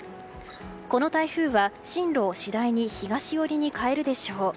この台風は、進路を次第に東寄りに変えるでしょう。